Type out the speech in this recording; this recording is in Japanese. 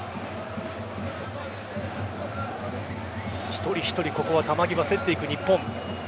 一人一人ここは球際、競っていく日本。